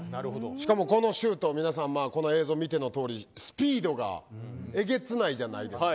しかも、このシュート映像を見てのとおりスピードがえげつないじゃないですか。